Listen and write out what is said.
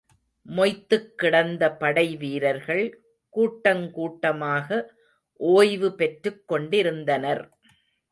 மொய்த்துக் கிடந்த படை வீரர்கள், கூட்டங் கூட்டமாக ஒய்வுபெற்றுக் கொண்டிருந்தனர்.